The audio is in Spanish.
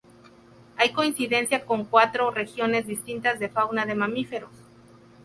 Hay coincidencia con cuatro regiones distintas de fauna de mamíferos.